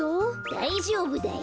だいじょうぶだよ。